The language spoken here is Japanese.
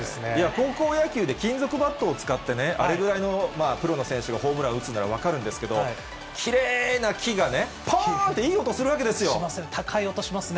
高校野球で金属バットを使ってね、あれぐらいのプロの選手がホームラン打つなら分かるんですけど、きれいな木がね、しますね、高い音がしますね。